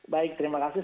baik terima kasih